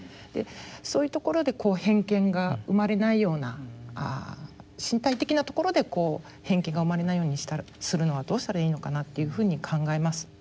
そういうところで偏見が生まれないような身体的なところで偏見が生まれないようにするのはどうしたらいいのかなっていうふうに考えます。